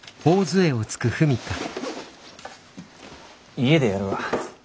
家でやるわ。